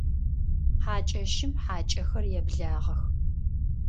Хьакӏэщым хьакӏэхэр еблагъэх.